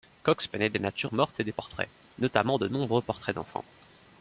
Cox paignait des natures mortes et des portraits, notamment de nombreux portraits d'enfants.